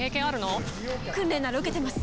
訓練なら受けてます。